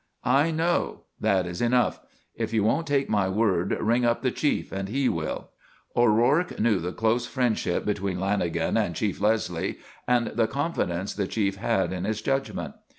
"I know. That is enough. If you won't take my word ring up the Chief and he will." O'Rourke knew the close friendship between Lanagan and Chief Leslie and the confidence the chief had in his judgment.